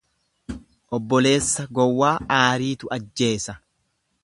Obboleessa gowwaa aariitu ajjeesa.